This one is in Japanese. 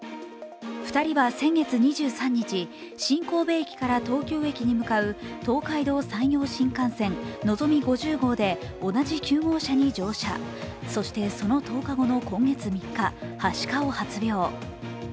２人は先月２３日新神戸駅から東京駅に向かう東海道山陽新幹線「のぞみ５０号」で同じ９号車に乗車、そしてその１０日後の今月３日、はしかを発症。